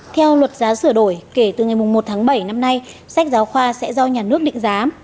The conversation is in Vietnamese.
theo luật giá sửa đổi kể từ ngày một tháng bảy năm nay sách giáo khoa sẽ do nhà nước định giá